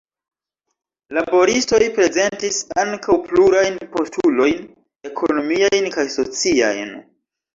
Laboristoj prezentis ankaŭ plurajn postulojn ekonomiajn kaj sociajn.